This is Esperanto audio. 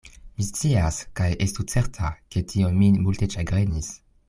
Mi scias: kaj estu certa, ke tio min multe ĉagrenis.